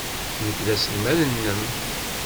Nekk d aselmad-nnem.